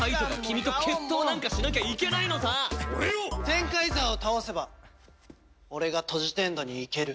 ゼンカイザーを倒せば俺がトジテンドに行ける。